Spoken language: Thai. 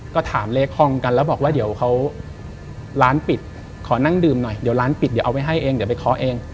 ก็ถามเลขห้องกันแล้วบอกว่าเดี๋ยวเขาร้านปิดขอนั่งดื่มหน่อยเดี๋ยวร้านปิดเดี๋ยวเอาไปให้เองเดี๋ยวไปเคาะเอง